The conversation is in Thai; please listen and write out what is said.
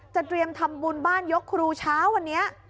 เตรียมทำบุญบ้านยกครูเช้าวันนี้